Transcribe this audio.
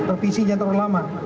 revisinya jangan terlalu lama